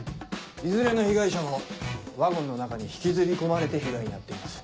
いずれの被害者もワゴンの中に引きずり込まれて被害に遭っています。